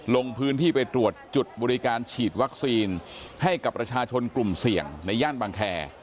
ลงพื้นที่ไปตรวจจุดบริการฉีดวัคซีนให้กับประชาชนกลุ่มเสี่ยงในย่านบางแคร์